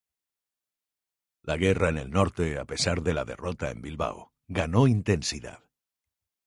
La guerra en el Norte, a pesar de la derrota en Bilbao, ganó intensidad.